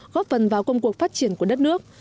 góp phần vào công cuộc phát triển của đất nước